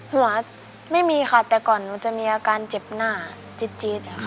หัวไม่มีค่ะแต่ก่อนหนูจะมีอาการเจ็บหน้าจี๊ด